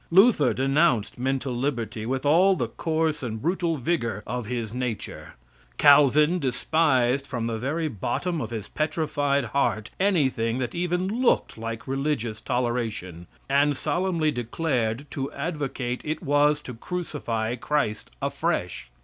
Luther denounced mental liberty with all the coarse and brutal vigor of his nature; Calvin despised from the very bottom of his petrified heart anything that even looked like religious toleration, and solemnly declared to advocate it was to crucify Christ afresh.